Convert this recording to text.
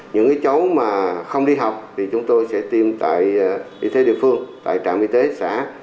những cháu mà không đi học thì chúng tôi sẽ tiêm tại y tế địa phương tại trạm y tế xã